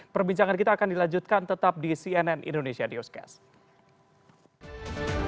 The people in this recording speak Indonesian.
perbincangan kita akan dilanjutkan tetap di cnn indonesia newscast